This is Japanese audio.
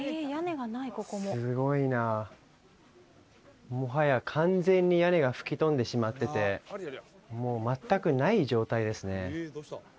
すごいなもはや完全に屋根が吹き飛んでしまっててもう全くない状態ですね